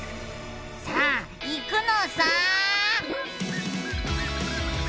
さあいくのさ！